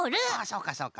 そうかそうか。